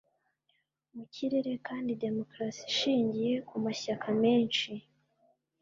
mu kirere kandi demokarasi ishingiye ku mashyaka menshi